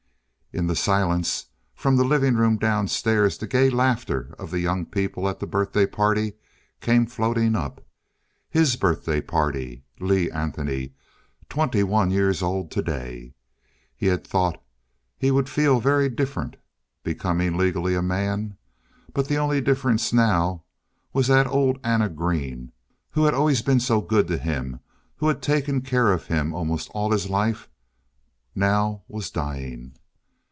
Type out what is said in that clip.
In the silence, from the living room downstairs the gay laughter of the young people at the birthday party came floating up. His birthday Lee Anthony, twenty one years old today. He had thought he would feel very different, becoming legally a man. But the only difference now, was that old Anna Green who had been always so good to him, who had taken care of him almost all his life, now was dying.